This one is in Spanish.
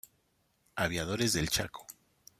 Aviadores del Chaco.